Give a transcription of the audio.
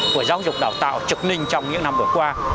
của giáo dục đào tạo trực ninh trong những năm vừa qua